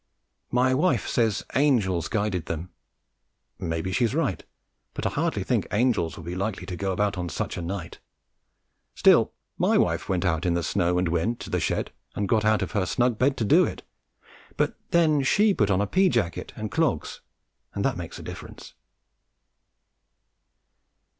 My wife says angels guided them. Maybe she's right, but I hardly think angels would be likely to go about on such a night; still my wife went out in the snow and wind to the shed and got out of her snug bed to do it, but then she put on a pea jacket and clogs, and that makes a difference.